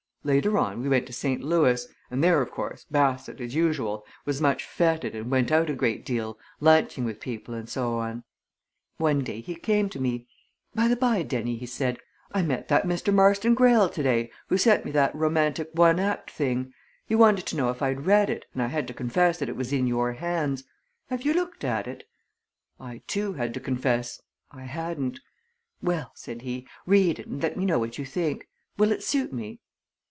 Later on, we went to St. Louis, and there, of course, Bassett, as usual, was much fêted and went out a great deal, lunching with people and so on. One day he came to me, 'By the bye, Dennie!' he said, 'I met that Mr. Marston Greyle today who sent me that romantic one act thing. He wanted to know if I'd read it, and I had to confess that it was in your hands. Have you looked at it?' I, too, had to confess I hadn't. 'Well,' said he, 'read it and let me know what you think will it suit me?'